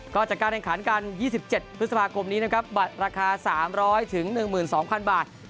ก็จัดการแข่งขันกัน๒๗พฤษภาคมนี้นะครับบัตรราคา๓๐๐๑๒๐๐๐บาท